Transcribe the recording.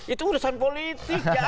itu urusan politik